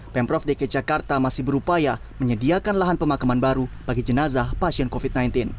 pemprov dki jakarta masih berupaya menyediakan lahan pemakaman baru bagi jenazah pasien covid sembilan belas